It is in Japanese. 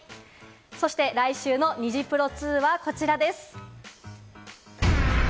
そして来週のニジプロ２はこちらです。